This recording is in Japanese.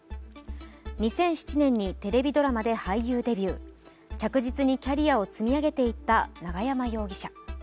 ２００７年にテレビドラマで俳優デビュー、着実にキャリアを積み上げていった永山容疑者。